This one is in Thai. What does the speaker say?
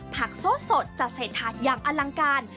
โซ่สดจะใส่ถาดอย่างอลังการ